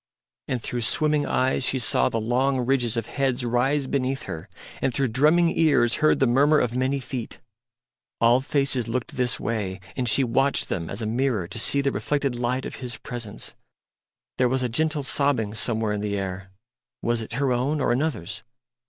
And through swimming eyes she saw the long ridges of heads rise beneath her, and through drumming ears heard the murmur of many feet. All faces looked this way; and she watched them as a mirror to see the reflected light of His presence. There was a gentle sobbing somewhere in the air was it her own or another's?